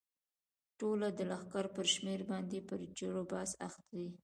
ټوله د لښکر پر شمېر باندې په جرو بحث اخته دي.